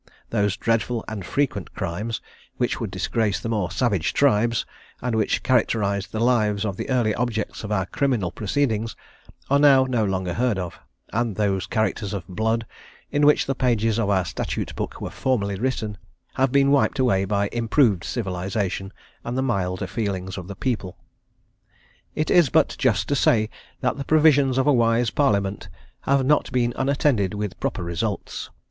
Those dreadful and frequent crimes, which would disgrace the more savage tribes, and which characterised the lives of the early objects of our criminal proceedings, are now no longer heard of; and those characters of blood, in which the pages of our Statute book were formerly written, have been wiped away by improved civilisation and the milder feelings of the people. It is but just to say that the provisions of a wise Parliament have not been unattended with proper results.